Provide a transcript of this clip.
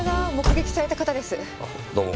どうも。